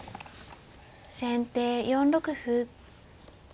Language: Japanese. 先手４六歩。